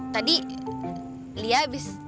tadi lia abis